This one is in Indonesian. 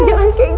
jangan kayak gitu